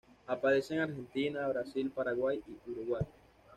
Aparece en Argentina, Brasil, Paraguay y Uruguay.